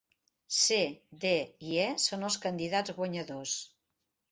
C, D i E són els candidats guanyadors.